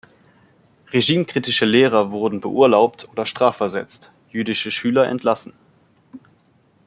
Regimekritische Lehrer wurden beurlaubt oder strafversetzt, jüdische Schüler entlassen.